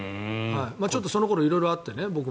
ちょっとその頃僕も色々あってね。